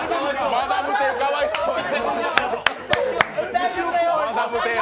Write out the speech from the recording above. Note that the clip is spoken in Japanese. マダム天かわいそうに。